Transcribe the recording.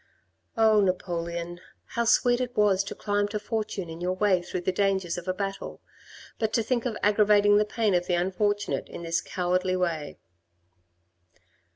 Oh, Napoleon, how sweet it was to climb to fortune in your way through the dangers of a battle, but to think of aggravating the pain of the unfortunate in this cowardly way."